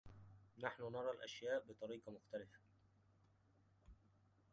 نحن نرى الأشاء بطريقة مختلفة.